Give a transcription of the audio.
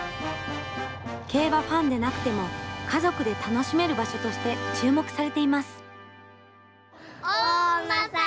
競馬ファンでなくても家族で楽しめる場所として注目されています。